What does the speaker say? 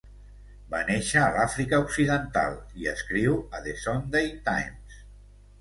Va néixer a l'Àfrica occidental i escriu a "The Sunday Times".